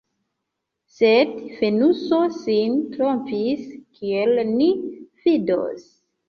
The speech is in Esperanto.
Sed Fenuso sin trompis, kiel ni vidos.